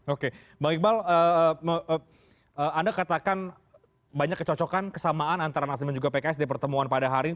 oke bang iqbal anda katakan banyak kecocokan kesamaan antara nasdem dan juga pks di pertemuan pada hari ini